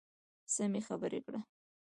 سمې خبرې کړه .